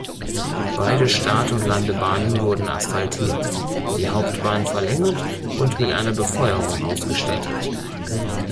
Beide Start- und Landebahnen wurden asphaltiert, die Hauptbahn verlängert und mit einer Befeuerung ausgestattet.